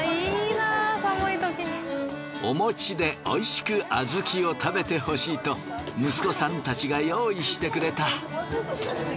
お餅でおいしく小豆を食べてほしいと息子さんたちが用意してくれた。